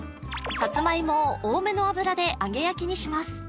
さつまいもを多めの油で揚げ焼きにします